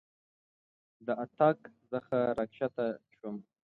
د اطاق څخه راکښته شوم.